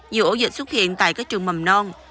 nhiều ổ dịch xuất hiện tại các trường mầm non